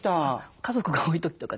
家族が多い時とかね